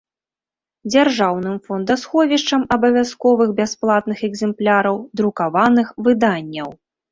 Дзяржаўным фондасховiшчам абавязковых бясплатных экзэмпляраў друкаваных выданняў.